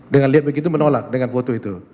dengan lihat begitu menolak dengan foto itu